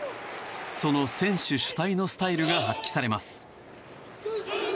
その選手主体のスタイルが発揮されます。